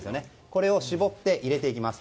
これを絞って入れていきます。